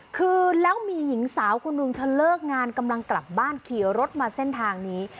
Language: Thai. คือแล้วมีหญิงสาวคนหนึ่งเธอเลิกงานกำลังกลับบ้านขี่รถมาเส้นทางนี้